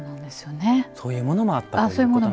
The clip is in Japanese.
そういうものもあったということ。